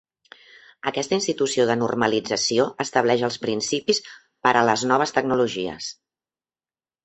Aquesta institució de normalització estableix els principis per a les noves tecnologies.